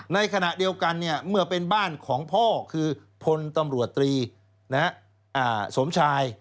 ในขณะเดียวกันเมื่อเป็นบ้านของพ่อคือพลตำรวจตรีสมชาย